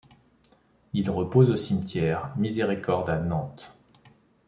Il repose au cimetière Miséricorde à Nantes.